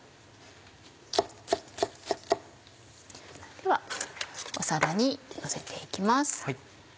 では皿にのせて行きます。